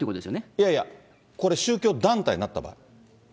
いやいや、これ、宗教団体になった場合。